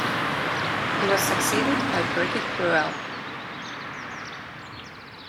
He was succeeded by Birgit Breuel.